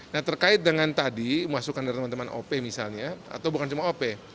nah terkait dengan tadi masukan dari teman teman op misalnya atau bukan cuma op